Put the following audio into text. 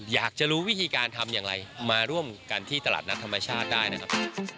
อยากจะรู้วิธีการทำอย่างไรมาร่วมกันที่ตลาดนัดธรรมชาติได้นะครับ